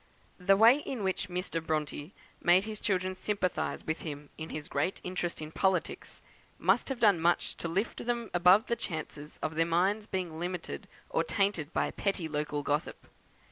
The way in which Mr. Bronte made his children sympathise with him in his great interest in politics, must have done much to lift them above the chances of their minds being limited or tainted by petty local gossip.